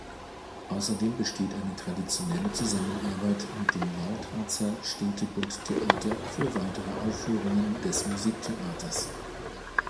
Außerdem besteht eine traditionelle Zusammenarbeit mit dem Nordharzer Städtebundtheater für weitere Aufführungen des Musiktheaters.